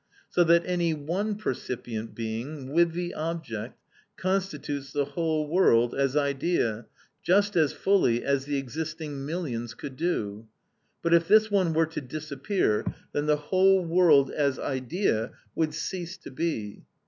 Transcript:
So that any one percipient being, with the object, constitutes the whole world as idea just as fully as the existing millions could do; but if this one were to disappear, then the whole world as idea would cease to be.